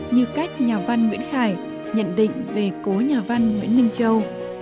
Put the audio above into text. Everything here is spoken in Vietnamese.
như cách nhà văn nguyễn khải nhận định về cố nhà văn nguyễn minh châu